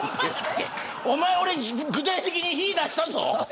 おまえ、俺具体的に日、出したぞ。